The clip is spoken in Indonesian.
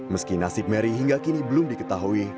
meski nasib mary hingga kini belum diketahui